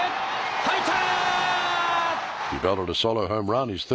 入った！